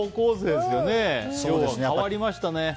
でも変わりましたね。